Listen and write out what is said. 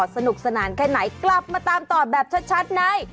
สนุกสนานแค่ไหนกลับมาตามต่อแบบชัดใน